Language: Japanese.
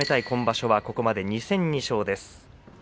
今場所はここまで２戦２勝です。